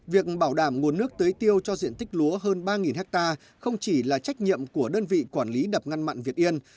việc bảo đảm nguồn nước tưới tiêu cho diện tích lúa hơn ba ha không chỉ là trách nhiệm của đơn vị quản lý đập ngăn mặn việt yên